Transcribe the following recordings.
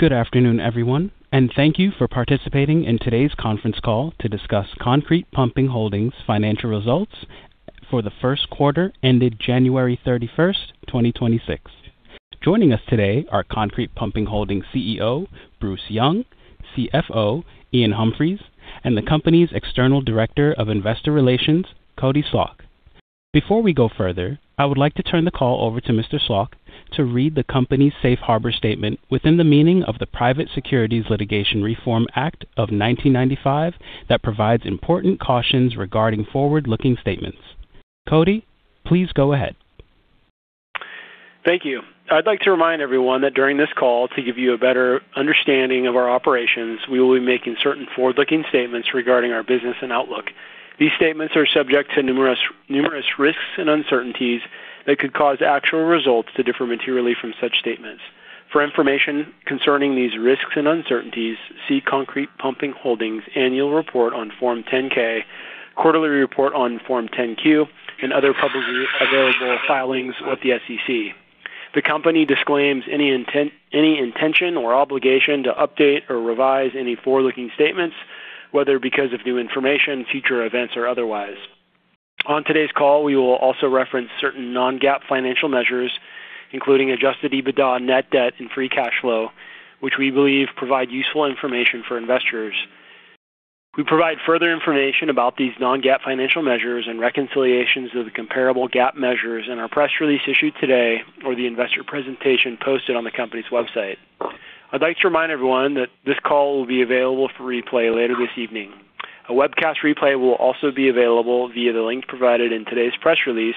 Good afternoon, everyone, and thank you for participating in today's conference call to discuss Concrete Pumping Holdings financial results for the first quarter ended January 31st, 2026. Joining us today are Concrete Pumping Holdings CEO, Bruce Young, CFO, Iain Humphries, and the company's External Director of Investor Relations, Cody Slach. Before we go further, I would like to turn the call over to Mr. Slach to read the company's safe harbor statement within the meaning of the Private Securities Litigation Reform Act of 1995 that provides important cautions regarding forward-looking statements. Cody, please go ahead. Thank you. I'd like to remind everyone that during this call, to give you a better understanding of our operations, we will be making certain forward-looking statements regarding our business and outlook. These statements are subject to numerous risks and uncertainties that could cause actual results to differ materially from such statements. For information concerning these risks and uncertainties, see Concrete Pumping Holdings annual report on Form 10-K, quarterly report on Form 10-Q, and other publicly available filings with the SEC. The company disclaims any intention or obligation to update or revise any forward-looking statements, whether because of new information, future events, or otherwise. On today's call, we will also reference certain Non-GAAP financial measures, including adjusted EBITDA, net debt, and free cash flow, which we believe provide useful information for investors. We provide further information about these Non-GAAP financial measures and reconciliations of the comparable GAAP measures in our press release issued today or the investor presentation posted on the company's website. I'd like to remind everyone that this call will be available for replay later this evening. A webcast replay will also be available via the link provided in today's press release,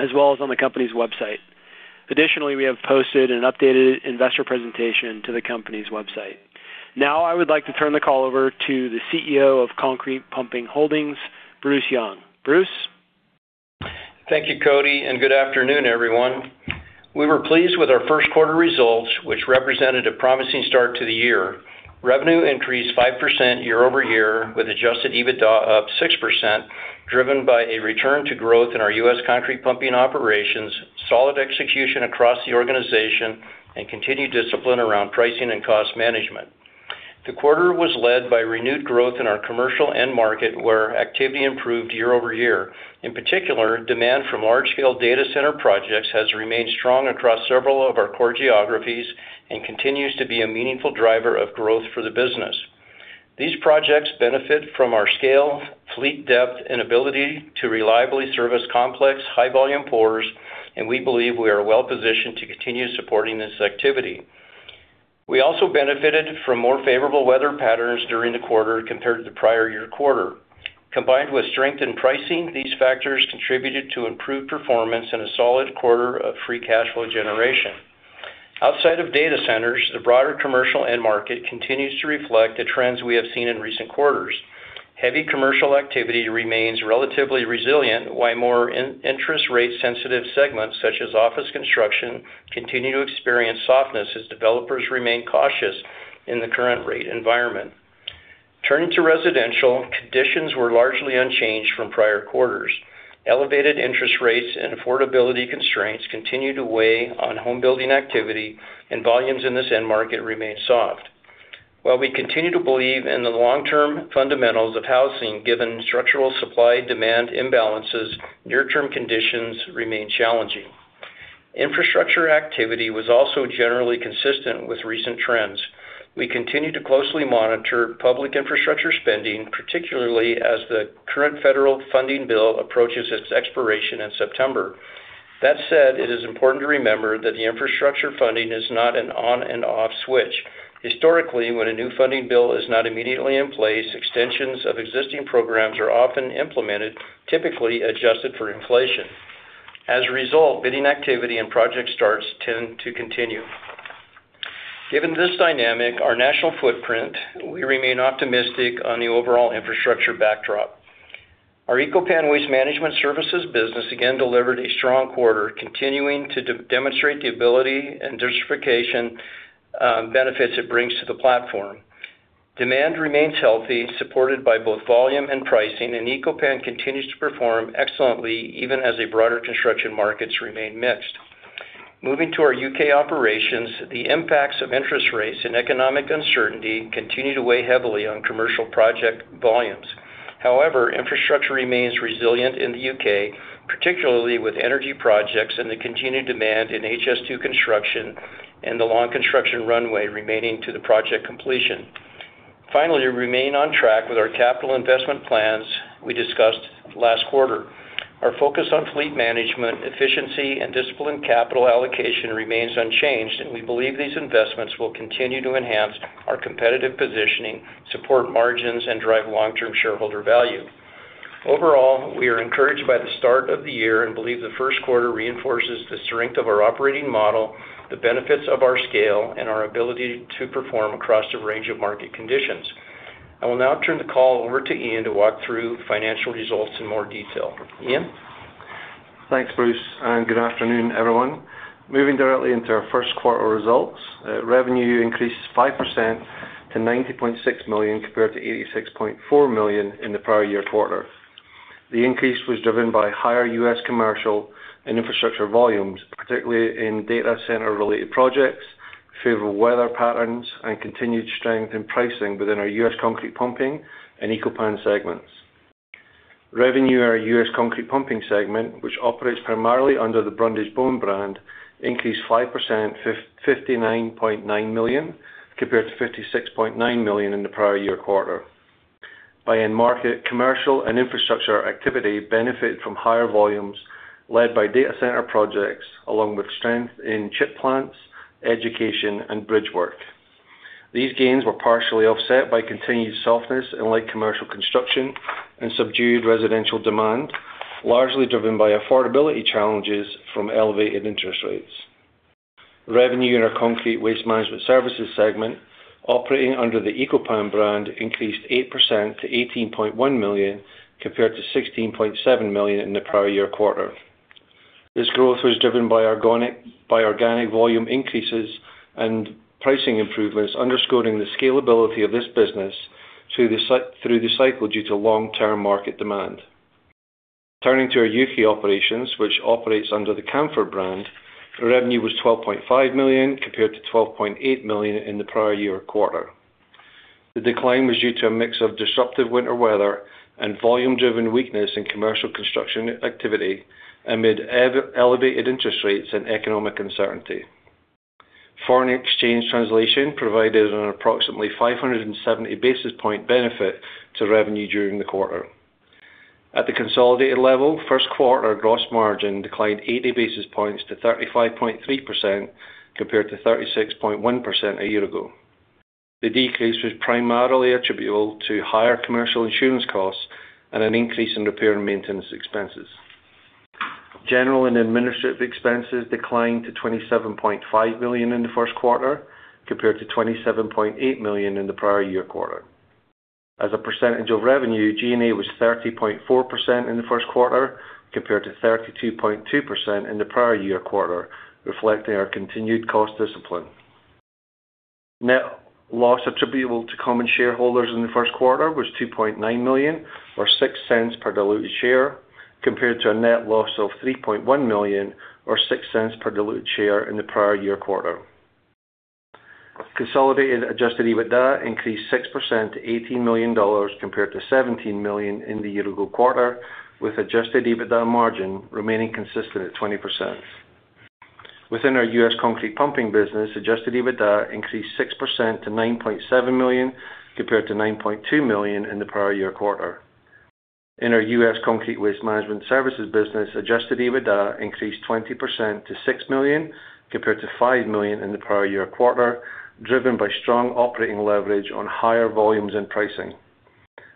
as well as on the company's website. Additionally, we have posted an updated investor presentation to the company's website. Now, I would like to turn the call over to the CEO of Concrete Pumping Holdings, Bruce Young. Bruce? Thank you, Cody, and good afternoon, everyone. We were pleased with our first quarter results, which represented a promising start to the year. Revenue increased 5% year-over-year, with adjusted EBITDA up 6%, driven by a return to growth in our U.S. concrete pumping operations, solid execution across the organization, and continued discipline around pricing and cost management. The quarter was led by renewed growth in our commercial end market, where activity improved year-over-year. In particular, demand from large-scale data center projects has remained strong across several of our core geographies and continues to be a meaningful driver of growth for the business. These projects benefit from our scale, fleet depth, and ability to reliably service complex, high-volume pours, and we believe we are well positioned to continue supporting this activity. We also benefited from more favorable weather patterns during the quarter compared to the prior-year quarter. Combined with strength in pricing, these factors contributed to improved performance and a solid quarter of free cash flow generation. Outside of data centers, the broader commercial end market continues to reflect the trends we have seen in recent quarters. Heavy commercial activity remains relatively resilient, while more interest-rate sensitive segments, such as office construction, continue to experience softness as developers remain cautious in the current rate environment. Turning to residential, conditions were largely unchanged from prior quarters. Elevated interest rates and affordability constraints continue to weigh on home building activity, and volumes in this end market remain soft. While we continue to believe in the long-term fundamentals of housing, given structural supply-demand imbalances, near-term conditions remain challenging. Infrastructure activity was also generally consistent with recent trends. We continue to closely monitor public infrastructure spending, particularly as the current federal funding bill approaches its expiration in September. That said, it is important to remember that the infrastructure funding is not an on and off switch. Historically, when a new funding bill is not immediately in place, extensions of existing programs are often implemented, typically adjusted for inflation. As a result, bidding activity and project starts tend to continue. Given this dynamic, our national footprint, we remain optimistic on the overall infrastructure backdrop. Our Eco-Pan Waste Management Services business again delivered a strong quarter, continuing to demonstrate the ability and diversification benefits it brings to the platform. Demand remains healthy, supported by both volume and pricing, and Eco-Pan continues to perform excellently even as the broader construction markets remain mixed. Moving to our U.K. operations, the impacts of interest rates and economic uncertainty continue to weigh heavily on commercial project volumes. However, infrastructure remains resilient in the U.K., particularly with energy projects and the continued demand in HS2 construction and the long construction runway remaining to the project completion. Finally, we remain on track with our capital investment plans we discussed last quarter. Our focus on fleet management, efficiency, and disciplined capital allocation remains unchanged, and we believe these investments will continue to enhance our competitive positioning, support margins, and drive long-term shareholder value. Overall, we are encouraged by the start of the year and believe the first quarter reinforces the strength of our operating model, the benefits of our scale, and our ability to perform across a range of market conditions. I will now turn the call over to Iain to walk through financial results in more detail. Iain? Thanks, Bruce, and good afternoon, everyone. Moving directly into our first quarter results, revenue increased 5% to $90.6 million compared to $86.4 million in the prior year quarter. The increase was driven by higher U.S. commercial and infrastructure volumes, particularly in data center-related projects, favorable weather patterns, and continued strength in pricing within our U.S. Concrete Pumping and Eco-Pan segments. Revenue in our U.S. Concrete Pumping segment, which operates primarily under the Brundage-Bone brand, increased 5% to $59.9 million, compared to $56.9 million in the prior year quarter. By end market, commercial and infrastructure activity benefited from higher volumes led by data center projects, along with strength in chip plants, education and bridge work. These gains were partially offset by continued softness in light commercial construction and subdued residential demand, largely driven by affordability challenges from elevated interest rates. Revenue in our Concrete Waste Management Services segment operating under the Eco-Pan brand increased 8% to $18.1 million compared to $16.7 million in the prior year quarter. This growth was driven by organic volume increases and pricing improvements, underscoring the scalability of this business through the cycle due to long-term market demand. Turning to our U.K operations, which operates under the Camfaud brand, revenue was $12.5 million compared to $12.8 million in the prior year quarter. The decline was due to a mix of disruptive winter weather and volume-driven weakness in commercial construction activity amid elevated interest rates and economic uncertainty. Foreign exchange translation provided an approximately 570 basis point benefit to revenue during the quarter. At the consolidated level, first quarter gross margin declined 80 basis points to 35.3% compared to 36.1% a year ago. The decrease was primarily attributable to higher commercial insurance costs and an increase in repair and maintenance expenses. General and administrative expenses declined to $27.5 million in the first quarter, compared to $27.8 million in the prior year quarter. As a percentage of revenue, G&A was 30.4% in the first quarter, compared to 32.2% in the prior year quarter, reflecting our continued cost discipline. Net loss attributable to common shareholders in the first quarter was $2.9 million or $0.06 per diluted share, compared to a net loss of $3.1 million or $0.06 per diluted share in the prior year quarter. Consolidated adjusted EBITDA increased 6% to $18 million compared to $17 million in the year-ago quarter, with adjusted EBITDA margin remaining consistent at 20%. Within our U.S. Concrete Pumping business, adjusted EBITDA increased 6% to $9.7 million compared to $9.2 million in the prior year quarter. In our US Concrete Waste Management Services business, adjusted EBITDA increased 20% to $6 million compared to $5 million in the prior year quarter, driven by strong operating leverage on higher volumes and pricing.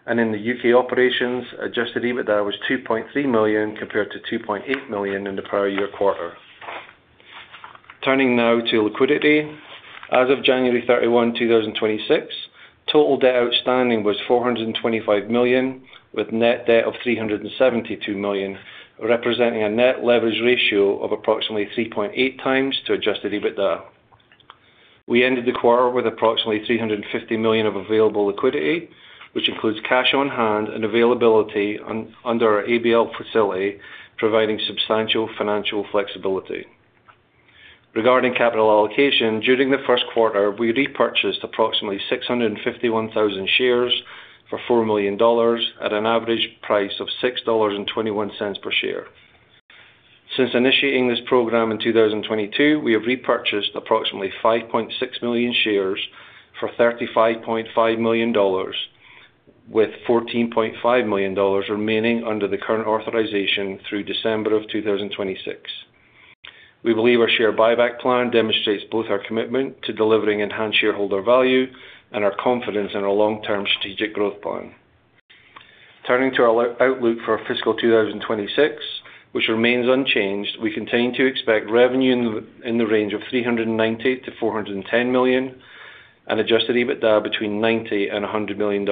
In the U.K. operations, adjusted EBITDA was $2.3 million compared to $2.8 million in the prior year quarter. Turning now to liquidity. As of January 31, 2026, total debt outstanding was $425 million with net debt of $372 million, representing a net leverage ratio of approximately 3.8x adjusted EBITDA. We ended the quarter with approximately $350 million of available liquidity, which includes cash on hand and availability under our ABL facility, providing substantial financial flexibility. Regarding capital allocation, during the first quarter, we repurchased approximately 651,000 shares for $4 million at an average price of $6.21 per share. Since initiating this program in 2022, we have repurchased approximately 5.6 million shares for $35.5 million, with $14.5 million remaining under the current authorization through December 2026. We believe our share buyback plan demonstrates both our commitment to delivering enhanced shareholder value and our confidence in our long-term strategic growth plan. Turning to our outlook for fiscal 2026, which remains unchanged, we continue to expect revenue in the range of $390 million-$410 million and adjusted EBITDA between $90 million and $100 million.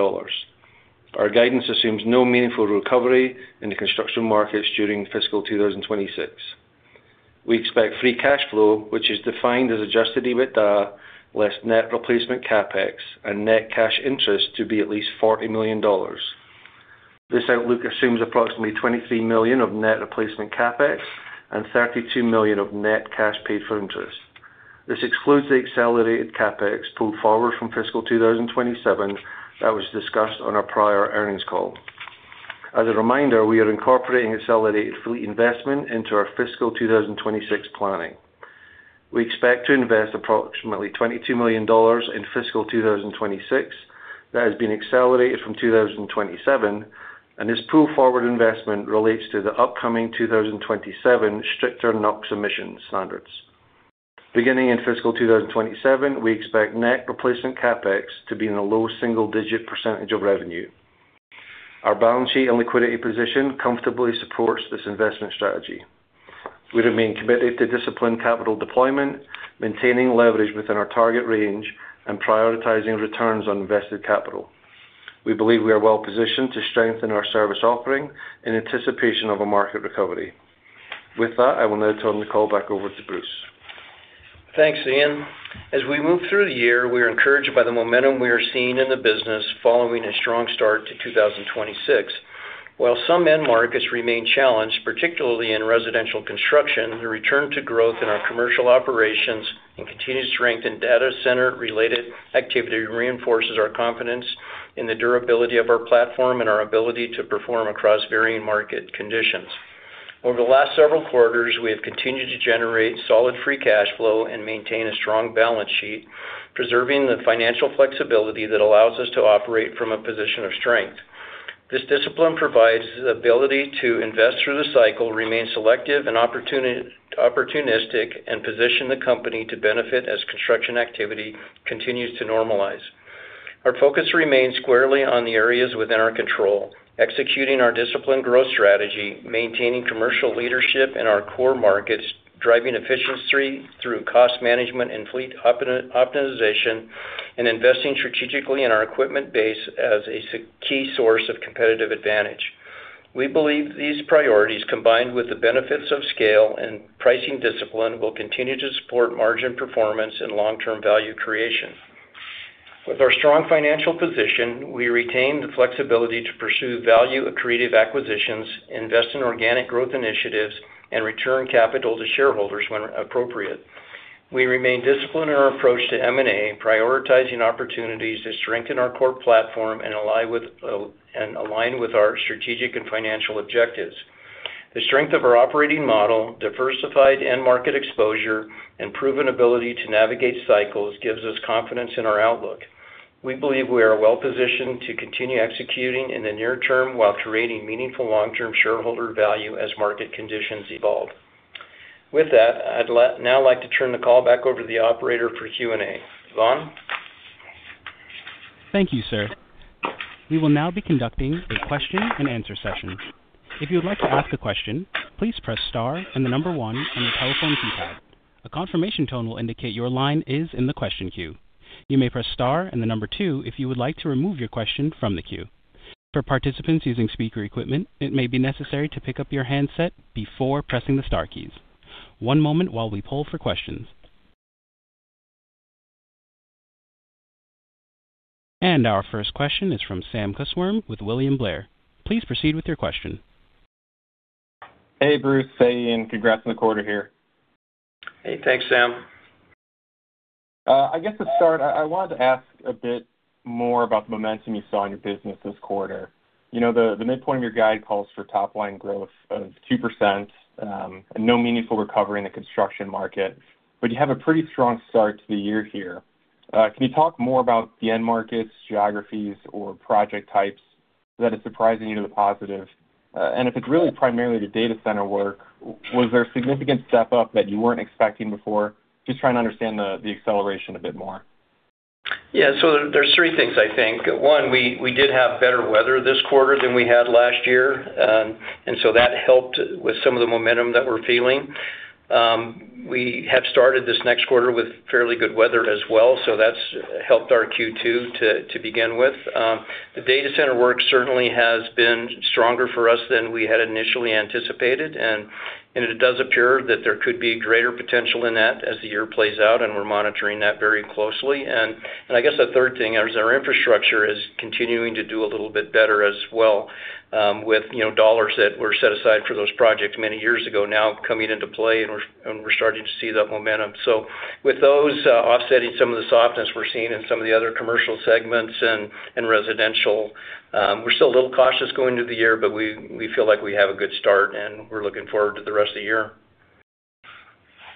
Our guidance assumes no meaningful recovery in the construction markets during fiscal 2026. We expect free cash flow, which is defined as adjusted EBITDA less net replacement CapEx and net cash interest to be at least $40 million. This outlook assumes approximately $23 million of net replacement CapEx and $32 million of net cash paid for interest. This excludes the accelerated CapEx pulled forward from fiscal 2027 that was discussed on our prior earnings call. As a reminder, we are incorporating accelerated fleet investment into our fiscal 2026 planning. We expect to invest approximately $22 million in fiscal 2026 that has been accelerated from 2027, and this pull-forward investment relates to the upcoming 2027 stricter NOx emissions standards. Beginning in fiscal 2027, we expect net replacement CapEx to be in the low single-digit percentage of revenue. Our balance sheet and liquidity position comfortably supports this investment strategy. We remain committed to disciplined capital deployment, maintaining leverage within our target range, and prioritizing returns on invested capital. We believe we are well-positioned to strengthen our service offering in anticipation of a market recovery. With that, I will now turn the call back over to Bruce. Thanks, Iain. As we move through the year, we are encouraged by the momentum we are seeing in the business following a strong start to 2026. While some end markets remain challenged, particularly in residential construction, the return to growth in our commercial operations and continued strength in data center-related activity reinforces our confidence in the durability of our platform and our ability to perform across varying market conditions. Over the last several quarters, we have continued to generate solid free cash flow and maintain a strong balance sheet, preserving the financial flexibility that allows us to operate from a position of strength. This discipline provides the ability to invest through the cycle, remain selective and opportunistic, and position the company to benefit as construction activity continues to normalize. Our focus remains squarely on the areas within our control, executing our disciplined growth strategy, maintaining commercial leadership in our core markets, driving efficiency through cost management and fleet optimization, and investing strategically in our equipment base as a key source of competitive advantage. We believe these priorities, combined with the benefits of scale and pricing discipline, will continue to support margin performance and long-term value creation. With our strong financial position, we retain the flexibility to pursue value accretive acquisitions, invest in organic growth initiatives, and return capital to shareholders when appropriate. We remain disciplined in our approach to M&A, prioritizing opportunities to strengthen our core platform and align with our strategic and financial objectives. The strength of our operating model, diversified end market exposure, and proven ability to navigate cycles gives us confidence in our outlook. We believe we are well positioned to continue executing in the near term while creating meaningful long-term shareholder value as market conditions evolve. With that, I'd like to turn the call back over to the operator for Q&A. Vaughn? Thank you, sir. We will now be conducting a question and answer session. If you would like to ask a question, please press star and the number one on your telephone keypad. A confirmation tone will indicate your line is in the question queue. You may press star and the number two if you would like to remove your question from the queue. For participants using speaker equipment, it may be necessary to pick up your handset before pressing the star keys. One moment while we poll for questions. Our first question is from Sami Corwin with William Blair. Please proceed with your question. Hey, Bruce. Hey, Iain. Congrats on the quarter here. Hey, thanks, Sam. I guess to start, I wanted to ask a bit more about the momentum you saw in your business this quarter. You know, the midpoint of your guide calls for top line growth of 2%, and no meaningful recovery in the construction market. You have a pretty strong start to the year here. Can you talk more about the end markets, geographies, or project types that is surprising you to the positive? If it's really primarily the data center work, was there a significant step up that you weren't expecting before? Just trying to understand the acceleration a bit more. There are three things I think. One, we did have better weather this quarter than we had last year. That helped with some of the momentum that we're feeling. We have started this next quarter with fairly good weather as well, so that's helped our Q2 to begin with. The data center work certainly has been stronger for us than we had initially anticipated. It does appear that there could be greater potential in that as the year plays out, and we're monitoring that very closely. I guess the third thing is our infrastructure is continuing to do a little bit better as well, with you know, dollars that were set aside for those projects many years ago now coming into play, and we're starting to see that momentum. With those offsetting some of the softness we're seeing in some of the other commercial segments and residential, we're still a little cautious going into the year, but we feel like we have a good start, and we're looking forward to the rest of the year.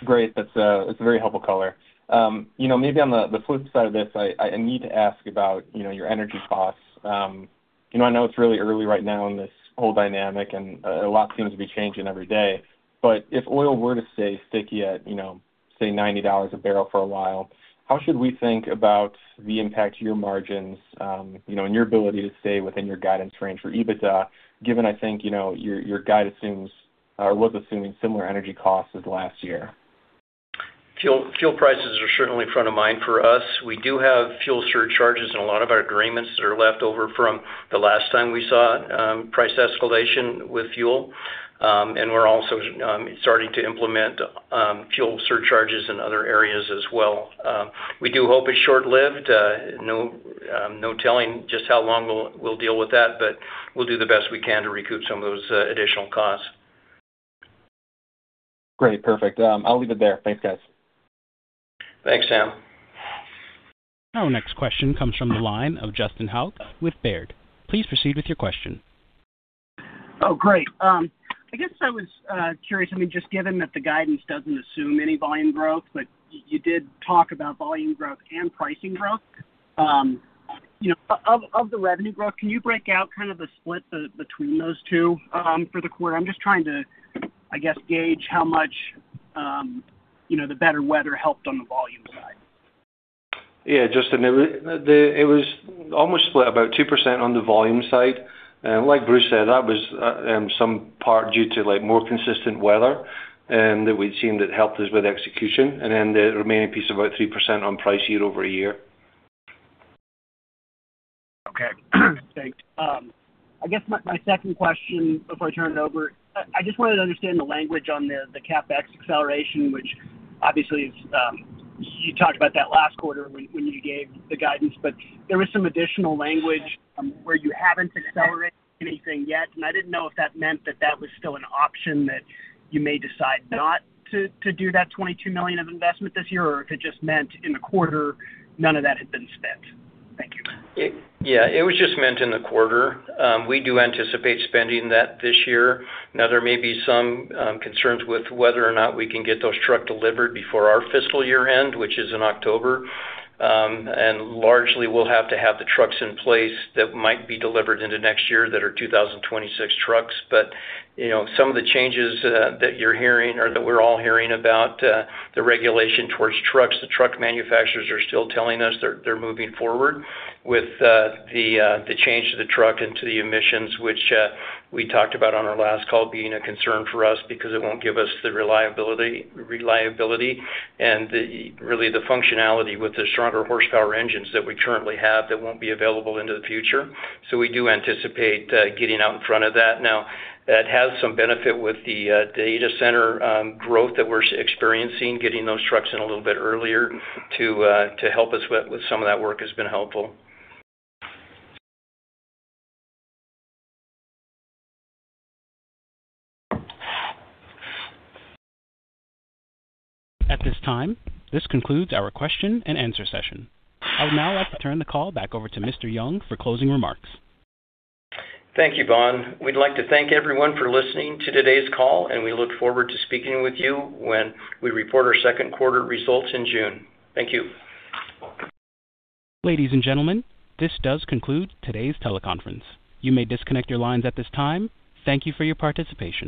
Great. That's a very helpful color. You know, maybe on the flip side of this, I need to ask about, you know, your energy costs. You know, I know it's really early right now in this whole dynamic, and a lot seems to be changing every day. If oil were to stay sticky at, you know, say, $90 a barrel for a while, how should we think about the impact to your margins, you know, and your ability to stay within your guidance range for EBITDA, given I think, you know, your guide assumes or was assuming similar energy costs as last year? Fuel prices are certainly front of mind for us. We do have fuel surcharges in a lot of our agreements that are left over from the last time we saw price escalation with fuel. We're also starting to implement fuel surcharges in other areas as well. We do hope it's short-lived. No telling just how long we'll deal with that, but we'll do the best we can to recoup some of those additional costs. Great. Perfect. I'll leave it there. Thanks, guys. Thanks, Sam. Our next question comes from the line of Justin Hauke with Baird. Please proceed with your question. Oh, great. I guess I was curious, I mean, just given that the guidance doesn't assume any volume growth, but you did talk about volume growth and pricing growth. You know, of the revenue growth, can you break out kind of the split between those two, for the quarter? I'm just trying to, I guess, gauge how much, you know, the better weather helped on the volume side. Yeah, Justin. It was almost split about 2% on the volume side. Like Bruce said, that was some part due to like more consistent weather that we'd seen that helped us with execution. The remaining piece, about 3% on price year-over-year. Thanks. I guess my second question before I turn it over, I just wanted to understand the language on the CapEx acceleration, which obviously is you talked about that last quarter when you gave the guidance, but there was some additional language where you haven't accelerated anything yet, and I didn't know if that meant that that was still an option that you may decide not to do that $22 million of investment this year, or if it just meant in the quarter none of that had been spent. Thank you. Yeah. It was just spent in the quarter. We do anticipate spending that this year. Now, there may be some concerns with whether or not we can get those trucks delivered before our fiscal year end, which is in October. Largely, we'll have to have the trucks in place that might be delivered into next year that are 2026 trucks. You know, some of the changes that you're hearing or that we're all hearing about, the regulation towards trucks, the truck manufacturers are still telling us they're moving forward with the change to the truck and to the emissions, which we talked about on our last call being a concern for us because it won't give us the reliability and really the functionality with the stronger horsepower engines that we currently have that won't be available into the future. We do anticipate getting out in front of that. Now, that has some benefit with the data center growth that we're experiencing, getting those trucks in a little bit earlier to help us with some of that work has been helpful. At this time, this concludes our question and answer session. I would now like to turn the call back over to Mr. Young for closing remarks. Thank you, Vaughn. We'd like to thank everyone for listening to today's call, and we look forward to speaking with you when we report our second quarter results in June. Thank you. Ladies and gentlemen, this does conclude today's teleconference. You may disconnect your lines at this time. Thank you for your participation.